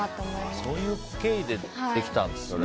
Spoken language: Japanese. そういう経緯でできたんですね。